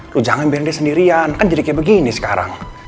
lo jangan biarin dia sendirian kan jadi kayak begini sekarang